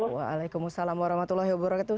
waalaikumsalam warahmatullahi wabarakatuh